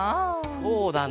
そうだな。